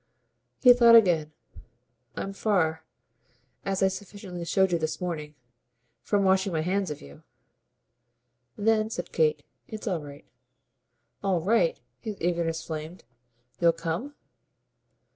He thought again. "I'm far as I sufficiently showed you this morning from washing my hands of you." "Then," said Kate, "it's all right." "All right?" His eagerness flamed. "You'll come?"